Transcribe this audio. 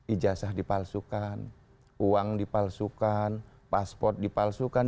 ijazah dipalsukan uang dipalsukan paspor dipalsukan